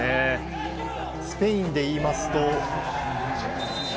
スペインでいいますと。